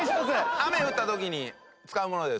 雨降った時に使うものです。